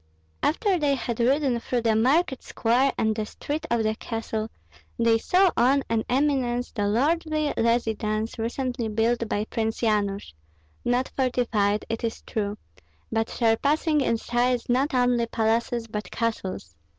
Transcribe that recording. After they had ridden through the market square and the street of the castle, they saw on an eminence the lordly residence recently built by Prince Yanush, not fortified, it is true, but surpassing in size not only palaces but castles.